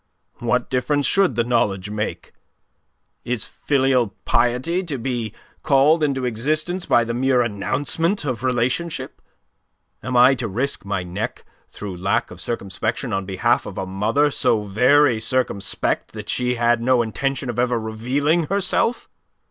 "What difference should the knowledge make? Is filial piety to be called into existence by the mere announcement of relationship? Am I to risk my neck through lack of circumspection on behalf of a mother so very circumspect that she had no intention of ever revealing herself?